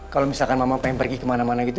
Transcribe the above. kalau misalkan mama pengen pergi kemana mana gitu